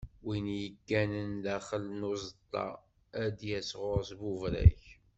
Win i yegganen daxel n uzeṭṭa, ad d-yas ɣur-s buberrak.